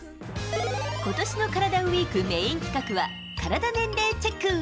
ことしのカラダＷＥＥＫメイン企画は、体年齢チェック。